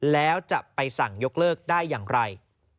แล้วจะไปสั่งยกเลิกได้อย่างไร